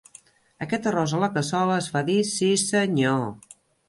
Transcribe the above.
Aquest arròs a la cassola es fa dir 'sí senyor'.